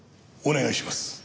お願いします。